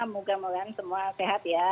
moga moga semua sehat ya